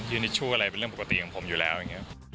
นิชชู่อะไรเป็นเรื่องปกติของผมอยู่แล้วอย่างนี้